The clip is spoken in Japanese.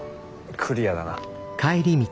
クリアだな。